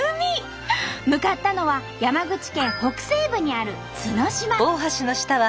向かったのは山口県北西部にある角島。